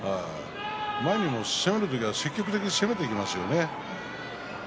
攻める時は積極的に攻めていきますからね。